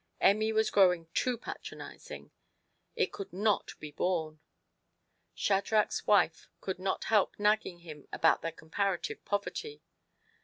Emmy was growing too patronizing ; it could not be borne. Shadrach's wife could not help nagging him about their comparative poverty.